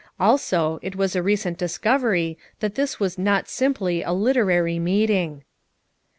Also, it was a recent discovery that this was not sim ply a literary meeting.